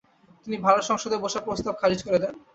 তিনি ভারত সংসদে বসার প্রস্তাব খারিজ করে দেন।